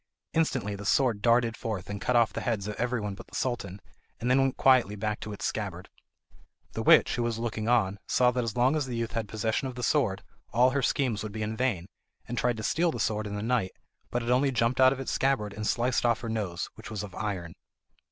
Instantly the sword darted forth and cut off the heads of everyone but the Sultan, and then went quietly back to its scabbard. The witch, who was looking on, saw that as long as the youth had possession of the sword, all her schemes would be in vain, and tried to steal the sword in the night, but it only jumped out of its scabbard and sliced off her nose, which was of iron.